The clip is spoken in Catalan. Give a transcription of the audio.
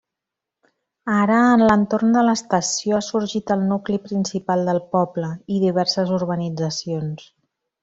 Ara, en l'entorn de l'estació ha sorgit el nucli principal del poble i diverses urbanitzacions.